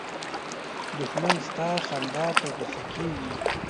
دښمن ستا خندا ته غوسه کېږي